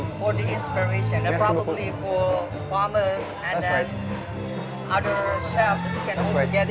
dan kemudian para chef lain yang bisa terinspirasi